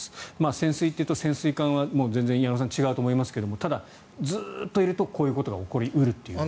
潜水艇と潜水艦は全然違うと思いますがただ、ずっといるとこういうことが起こり得ると。